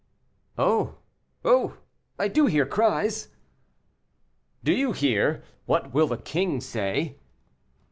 "Oh, oh! I do hear cries." "Do you hear, 'What will the king say?